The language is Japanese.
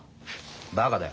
バカだよ。